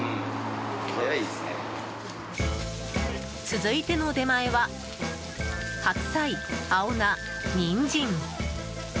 続いての出前は白菜、青菜、ニンジン